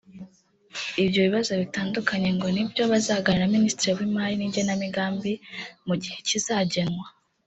Ibyo bibazo bitandukanye ngo ni byo bazaganira na Minisitiri w’Imari n’igenamigambi mu gihe kizagenwa